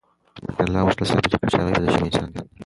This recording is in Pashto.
خو منډېلا غوښتل ثابته کړي چې هغه یو بدل شوی انسان دی.